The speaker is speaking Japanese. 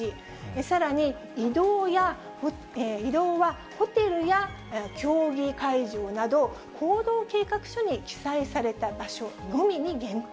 さらに、移動はホテルや競技会場など、行動計画書に記載された場所のみに限定。